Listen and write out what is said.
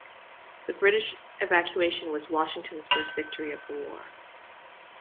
The British evacuation was Washington's first victory of the war.